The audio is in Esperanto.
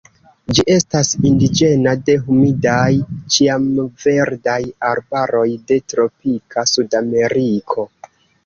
Ĝi estas indiĝena de humidaj ĉiamverdaj arbaroj de tropika Sudameriko.